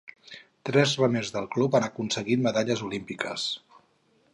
Tres remers del club han aconseguit medalles olímpiques.